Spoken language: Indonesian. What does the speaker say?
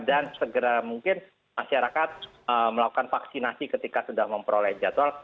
dan segera mungkin masyarakat melakukan vaksinasi ketika sudah memperoleh jadwal